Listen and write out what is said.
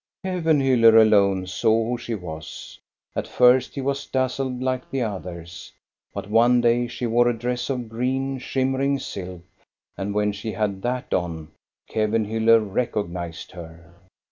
Kevenhiiller alone saw who she was. At first he was dazzled like the others. But one day she wore a dress of green, shimmering silk, and when she had that on, Kevenhiiller recognized her.